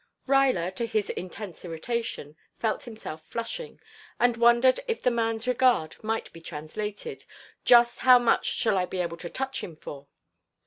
Ruyler, to his intense irritation, felt himself flushing, and wondered if the man's regard might be translated: "Just how much shall I be able to touch him for?"